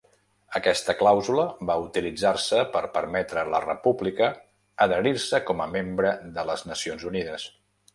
Aquesta clàusula va utilitzar-se per permetre a la república adherir-se com a membre de les Nacions Unides.